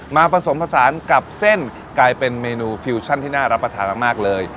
ผสมผสานกับเส้นกลายเป็นเมนูฟิวชั่นที่น่ารับประทานมากเลย